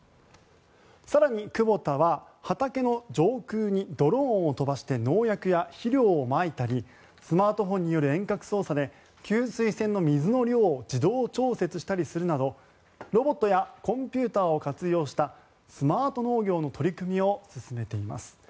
更に、クボタは畑の上空にドローンを飛ばして農薬や肥料をまいたりスマートフォンによる遠隔操作で給水栓の水の量を自動調節したりするなどロボットやコンピューターを活用したスマート農業の取り組みを進めています。